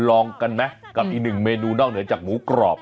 ลองกันไหมกับอีกหนึ่งเมนูนอกเหนือจากหมูกรอบ